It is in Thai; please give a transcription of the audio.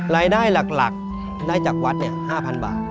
รายได้หลักได้จากวัด๕๐๐๐บาท